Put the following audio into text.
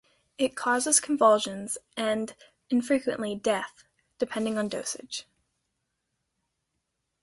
It causes convulsions and, infrequently, death, depending on dosage.